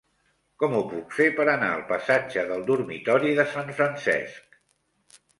Com ho puc fer per anar al passatge del Dormitori de Sant Francesc?